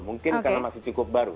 mungkin karena masih cukup baru